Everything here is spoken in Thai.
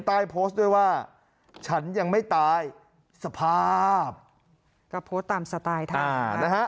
ใต้โพสต์ด้วยว่าฉันยังไม่ตายสภาพก็โพสต์ตามสไตล์ท่านอ่านะฮะ